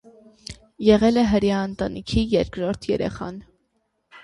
Եղել է հրեա ընտանիքի երկրորդ երեխան։